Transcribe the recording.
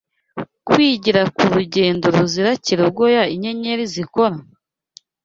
kwigira ku rugendo ruzira kirogoya inyenyeri zikora?